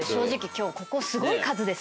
今日ここすごい数ですから。